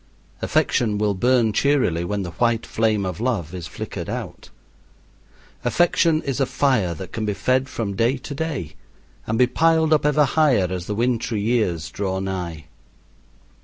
Affection will burn cheerily when the white flame of love is flickered out. Affection is a fire that can be fed from day to day and be piled up ever higher as the wintry years draw nigh.